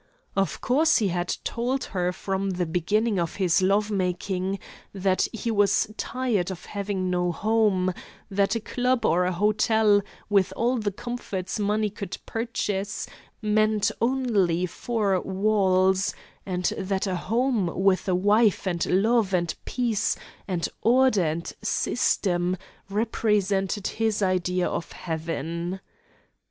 Of course he had told her from the beginning of his love making, that he was tired of having no home; that a club or a hotel, with all the comforts money could purchase, meant only four walls, and that a home with a wife and love and peace and order and system, represented his idea of heaven.